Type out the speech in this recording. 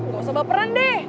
gak usah baperan deh